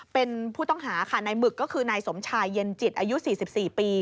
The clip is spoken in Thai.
เป็นผู้ต้องหาค่ะนายหมึกก็คือนายสมชายเย็นจิตอายุ๔๔ปี